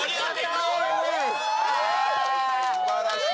すばらしい。